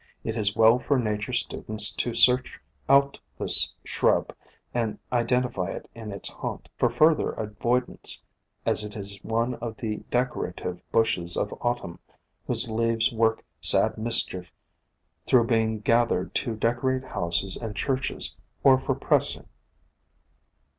It is well for Nature students to POISONOUS PLANTS 1 69 search out this shrub and identify it in its haunt, for future avoidance, as it is one of the decorative bushes of Autumn whose leaves work sad mis chief through being gathered to decorate houses and churches, or for pressing.